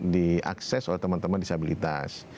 diakses oleh teman teman disabilitas